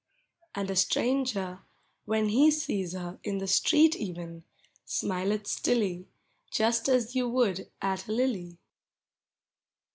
" And a stranger, when he sees her In the street even, smileth stilly, Just as you would at a lily.